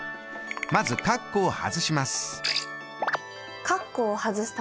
まずカッコを外します。